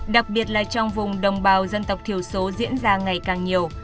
đặc biệt là trong vùng đồng bào dân tộc thiểu số diễn ra ngày càng nhiều